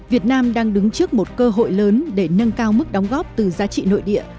việt nam đang đứng trước một cơ hội lớn để nâng cao mức đóng góp từ giá trị nội địa